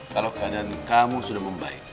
kalau keadaan kamu sudah membaik